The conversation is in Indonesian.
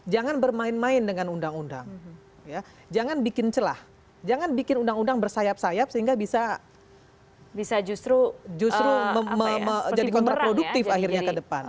jangan bermain main dengan undang undang jangan bikin celah jangan bikin undang undang bersayap sayap sehingga bisa justru menjadi kontraproduktif akhirnya ke depan